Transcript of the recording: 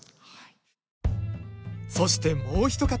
そしてもう一方。